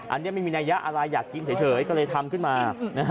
อันนี้ไม่มีนัยยะอะไรอยากกินเฉยก็เลยทำขึ้นมา